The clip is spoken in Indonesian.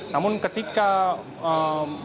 namun ketika memasuki